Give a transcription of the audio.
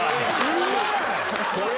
うまい。